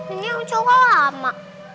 ini yang cowok lama